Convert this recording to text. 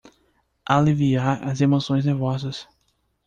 Aliviar as emoções nervosas